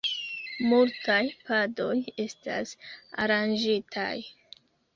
Multaj padoj estas aranĝitaj.